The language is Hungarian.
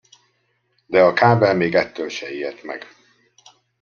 De a kábel még ettől se ijedt meg.